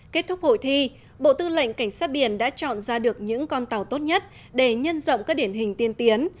kết thúc hội thi bộ tư lệnh cảnh sát biển đã chọn ra được những con tàu tốt nhất để nhân rộng các điển hình tiên tiến